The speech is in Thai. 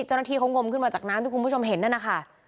เจ้าหน้าที่เขางมขึ้นมาจากน้ำที่คุณผู้ชมเห็นนั่นนะคะ